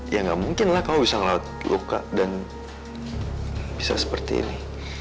ya gak mungkin lah kamu bisa ngelaut luka dan bisa seperti ini